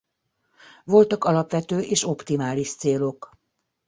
Voltak alapvető és optimális célok.